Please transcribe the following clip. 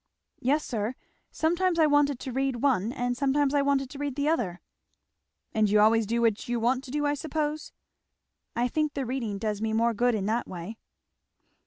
"Yes sir; sometimes I wanted to read one, and sometimes I wanted to read the other." "And you always do what you want to do, I suppose?" "I think the reading does me more good in that way."